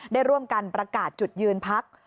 ได้ร่วมกันประกาศจุดยืนพัก